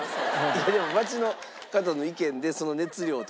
でも街の方の意見でその熱量とか。